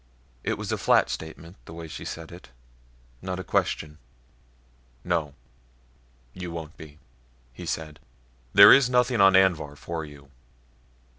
It was a flat statement the way she said it, not a question. "No, you won't be," he said. "There is nothing on Anvhar for you."